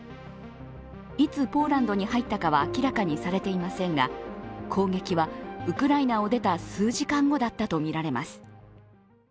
いつポーランドに入ったかは明らかにされていませんが、攻撃はウクライナを出た数時間後だったとみられます。